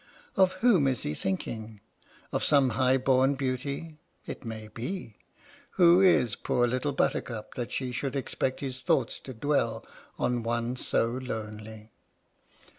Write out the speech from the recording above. " Of whom is he thinking? Of some high born beauty? It may be ! Who is poor Little Buttercup that she should expect his thoughts to dwell on one so lonely?"